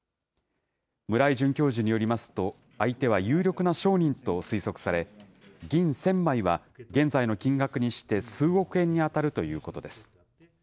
村井准教授によりますと、相手は有力な商人と推測され、銀１０００枚は現在の金額にして数億円に当たるということです。